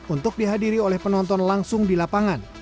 untuk dihadiri oleh penonton langsung di lapangan